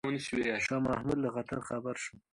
شاه محمود له خطره خبر شو.